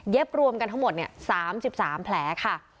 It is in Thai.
เย็บรวมกันทั้งหมดเนี่ยสามสิบสามแผลค่ะ